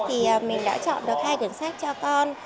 thì mình đã chọn được hai quyển sách cho con